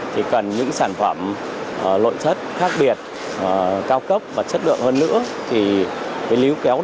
thì cần những sản phẩm nội thất khác biệt cao cấp và chất lượng hơn nữa